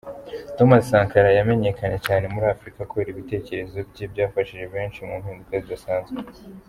Thomas Sankara yamenyekanye cyane muri Afurika kubera ibitekerezo bye, byafashije benshi mu mpinduka zidasanzwe.